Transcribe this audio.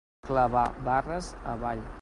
Clavar barres avall.